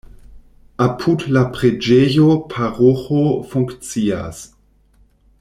Apud la preĝejo paroĥo funkcias.